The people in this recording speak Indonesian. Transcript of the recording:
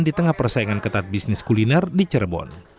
di tengah persaingan ketat bisnis kuliner di cirebon